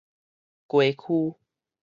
街區